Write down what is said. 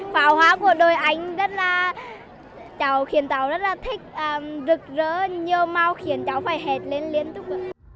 pháo hoa của đội anh khiến cháu rất là thích rực rỡ như mau khiến cháu phải hẹt lên liên tục